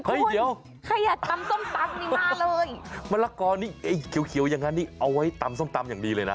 เดี๋ยวใครอยากตำส้มตำนี่มาเลยมะละกอนี่ไอ้เขียวเขียวอย่างงั้นนี่เอาไว้ตำส้มตำอย่างดีเลยนะ